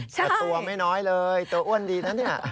แต่ตัวไม่น้อยเลยตัวอ้วนดีนะเนี่ย